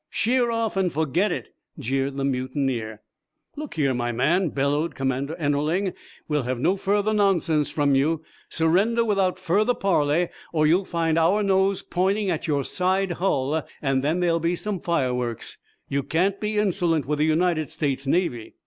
"Sheer off and forget it!" jeered the mutineer. "Look here, my man," bellowed Commander Ennerling, "we'll have no further nonsense from you. Surrender, without further parley, or you'll find our nose pointing at your side hull and then there'll be some fireworks. You can't be insolent with the United States Navy."